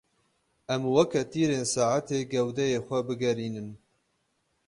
Em weke tîrên saetê gewdeyê xwe bigerînin.